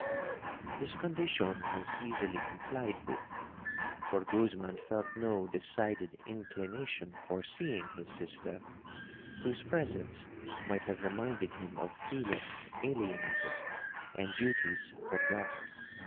'This condition was easily complied with, for Guzman felt no decided inclination for seeing his sister, whose presence might have reminded him of feelings alienated, and duties forgot.